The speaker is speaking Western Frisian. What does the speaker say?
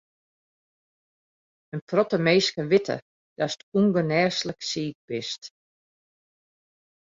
In protte minsken witte datst ûngenêslik siik bist.